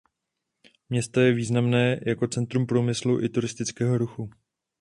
Město je významné jako centrum průmyslu i turistického ruchu.